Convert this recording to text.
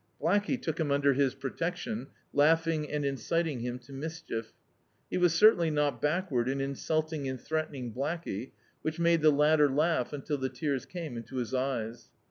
Blackey took him under his protection, laugh ing and inciting him to mischief. He was certainly not backward in insulting and threatening Blackey, which made the latter laugh imtil the tears came into his eyes.